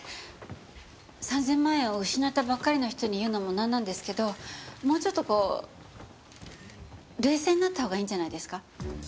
３０００万円を失ったばっかりの人に言うのもなんなんですけどもうちょっとこう冷静になったほうがいいんじゃないですか？